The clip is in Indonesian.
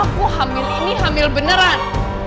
aku hamil ini hamil beneran